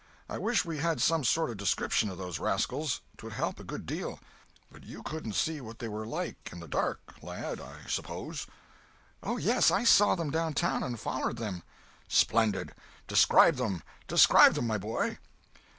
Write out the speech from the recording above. I wish we had some sort of description of those rascals—'twould help a good deal. But you couldn't see what they were like, in the dark, lad, I suppose?" "Oh yes; I saw them downtown and follered them." "Splendid! Describe them—describe them, my boy!"